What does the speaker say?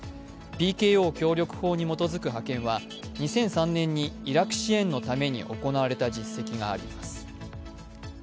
ＰＫＯ協力法に基づく派遣は２００３年にイラク支援のために行われた実績があります。